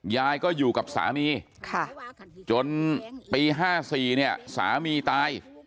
ยายก็อยู่กับสามีจนปี๕๔เนี่ยสามีตาย